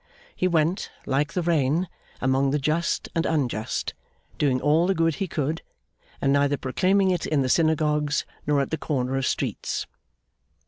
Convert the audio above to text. He went, like the rain, among the just and unjust, doing all the good he could, and neither proclaiming it in the synagogues nor at the corner of streets.